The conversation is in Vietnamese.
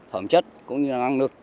thẩm chất cũng như là năng lực